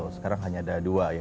sekarang hanya ada dua ya